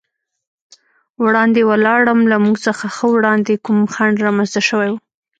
وړاندې ولاړم، له موږ څخه ښه وړاندې کوم خنډ رامنځته شوی و.